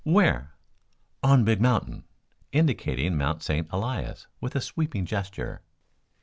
"Where?" "On big mountain," indicating Mt. St. Elias with a sweeping gesture.